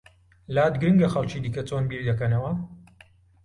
لات گرنگە خەڵکی دیکە چۆن بیر دەکەنەوە؟